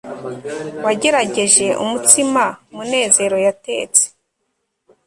wagerageje umutsima munezero yatetse